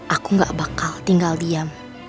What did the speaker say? aku gak bakal tinggal diam